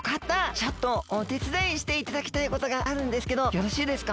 ちょっとおてつだいしていただきたいことがあるんですけどよろしいですか？